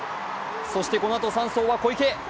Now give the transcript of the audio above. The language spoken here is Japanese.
そしてこのあと３走は小池。